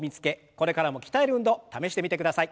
これからも鍛える運動試してみてください。